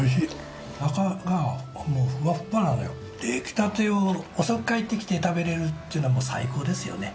出来たてを遅く帰ってきて食べられるっていうのは最高ですよね。